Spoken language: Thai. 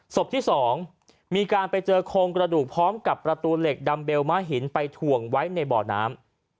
ศพที่๒มีการไปเจอโครงกระดูกพร้อมกับประตูเหล็กดัมเบลม้าหินไปถ่วงไว้ในบ่อน้ำ